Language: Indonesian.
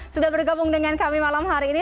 sudah bergabung dengan kami malam hari ini